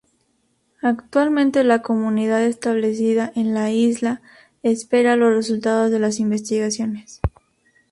Actualmente la comunidad establecida en la isla espera los resultados de las investigaciones.